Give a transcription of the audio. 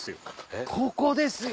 ここですよ！